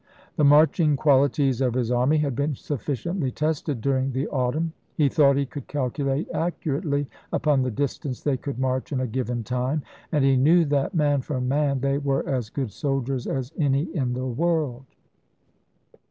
The marching qualities of his army had been sufficiently tested during the autumn ; he thought he could calculate accurately upon the distance they could march in a given time, and he knew that, man for man, they were as good soldiers as any in the world.